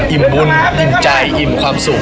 บุญอิ่มใจอิ่มความสุข